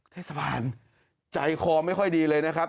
เทศบาลใจคอไม่ค่อยดีเลยนะครับ